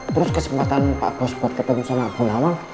terus kesempatan pak bos buat ketemu sama bu nawang